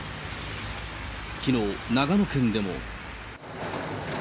きのう、長野県でも。